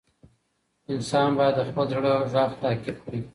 انسان باید د خپل زړه غږ تعقیب کړي.